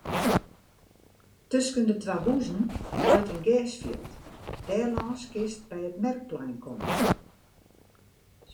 Tusken de twa huzen leit in gersfjild; dêrlâns kinst by it merkplein komme.